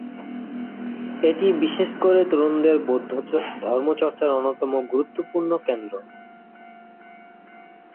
এটি বিশেষ করে তরুণদের বৌদ্ধ ধর্ম চর্চার অন্যতম গুরুত্বপূর্ণ কেন্দ্র।